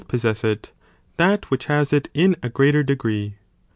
[BOOK Π|: that which has it in a greater degree.